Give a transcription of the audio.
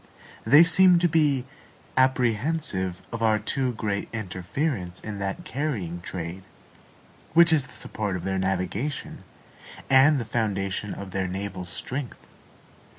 They seem to be apprehensive of our too great interference in that carrying trade, which is the support of their navigation and the foundation of their naval strength.